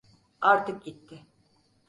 Artık gitti.